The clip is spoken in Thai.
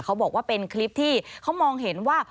เขาบอกว่าเป็นคลิปที่เขามองเห็นว่า